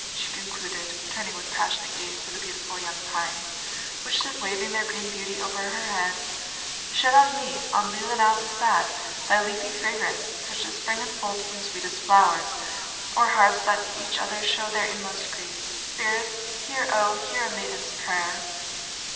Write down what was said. she concluded, turning with passionate gaze to the beautiful young pines which stood waving their green beauty over her head, "shed on me, on Leelinau the sad, thy leafy fragrance, such as spring unfolds from sweetest flowers, or hearts that to each other show their inmost grief. Spirits! hear, oh, hear a maiden's prayer!"